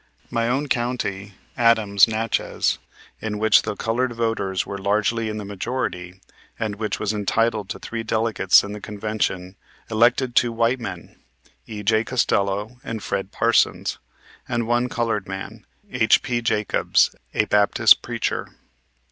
My own county, Adams (Natchez), in which the colored voters were largely in the majority, and which was entitled to three delegates in the convention, elected two white men, E.J. Castello, and Fred Parsons, and one colored man, H.P. Jacobs, a Baptist preacher.